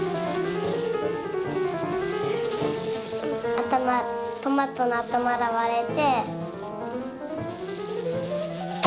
あたまトマトのあたまがわれて。